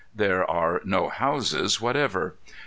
There are no houses whatever.